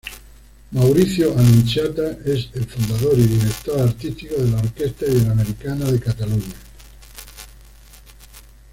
Mauricio Annunziata es el fundador y director artístico de la Orquesta Iberoamericana de Cataluña.